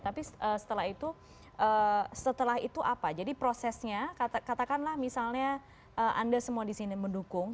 tapi setelah itu setelah itu apa jadi prosesnya katakanlah misalnya anda semua di sini mendukung